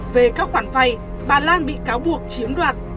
về các khoản vay bà lan bị cáo buộc chiếm đoạt